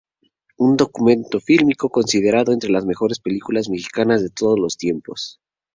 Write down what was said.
Un documento fílmico considerado entre las mejores películas mexicanas de todos los tiempos.